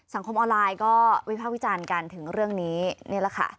สังคมออนไลน์ก็วิภาควิจารณ์กันถึงเรื่องนี้นี่แหละค่ะ